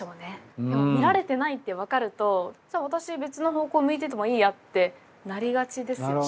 見られてないって分かると私別の方向を向いててもいいやってなりがちですよね。